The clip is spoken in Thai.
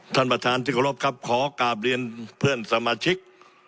ท่านประธานที่เคารพครับขอกราบเรียนเพื่อนสมาชิก